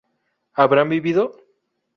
¿habrán vivido?